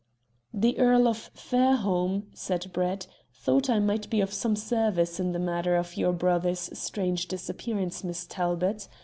"The Earl of Fairholme," said Brett, "thought I might be of some service in the matter of your brother's strange disappearance, Miss Talbot.